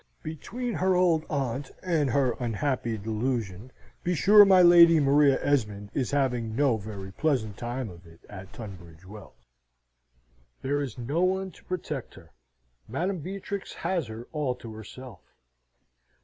Between her old aunt and her unhappy delusion, be sure my Lady Maria Esmond is having no very pleasant time of it at Tunbridge Wells. There is no one to protect her. Madam Beatrix has her all to herself.